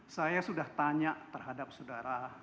saya sudah tanya terhadap saudara